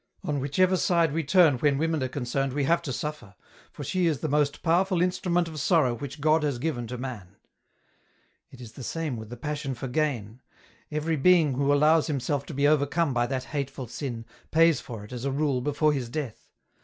On whichever side we turn when women are concerned we have to suffer, for she is the most powerful instrument of sorrow which God has given to man. " It is the same with the passion for gain. Every being who allows himself to be overcome by that hateful sin, pays for it as a rule before his death.